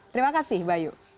terima kasih bayu